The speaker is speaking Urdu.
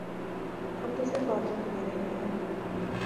ہم تو صرف باتوں کیلئے رہ گئے ہیں۔